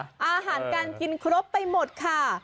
อาหารการกินครบไปหมดค่ะ